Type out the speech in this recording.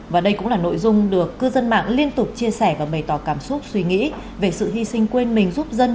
và đây cũng là nội dung được cư dân mạng liên tục chia sẻ và bày tỏ cảm xúc suy nghĩ về sự hy sinh quên mình giúp dân